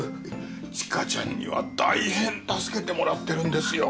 知花ちゃんには大変助けてもらってるんですよ。